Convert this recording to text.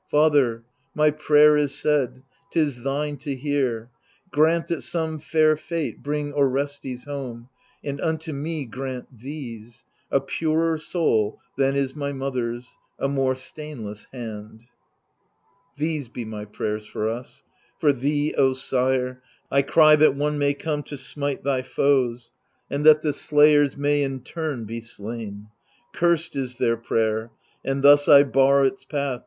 Father^ my prayer is said; His thine to hear — Grant that some fair fate bring Orestes home^ And unto me grant these — a purer soul Than is my mother'Sy a more stainless hand. These be my prayers for us ; for thee, O sire, 1 cry that one may come to smite thy foes. And that the slayers may in turn be slain. Cursed is their prayer, and thus I bar its path.